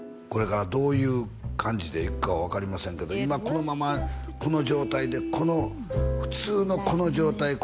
これからどういう感じでいくかは分かりませんけど今このままこの状態でこの普通のこの状態